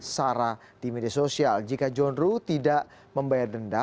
sarah di media sosial jika john ruh tidak membayar denda